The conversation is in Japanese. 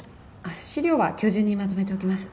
資料は今日中にまとめておきます。